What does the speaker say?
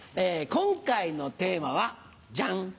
今回のテーマはジャン！